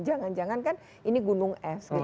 jangan jangan kan ini gunung es